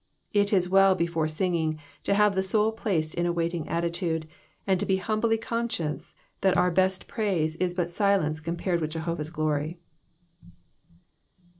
It is well before singing to have the soul placed in a waiting attitude, and to be humbty conscious that our best praise is but silence compared with Jehovah's glory.